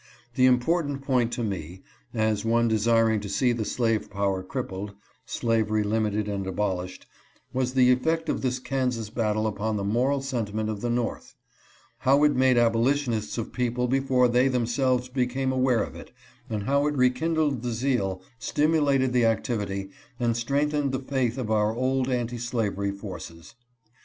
The import ant point to me, as one desiring to see the slave power crippled, slavery limited and abolished, was the effect of this Kansas battle upon the moral sentiment of the 370 CONTEST OVER KANSAS. North : how it made abolitionists of people before they themselves became aware of it, and how it rekindled the zeal, stimulated the activity, and strengthened the faith of our old anti slavery forces.